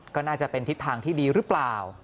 ก็น่าจะเป็นทิศทางที่ดีหรือเปล่า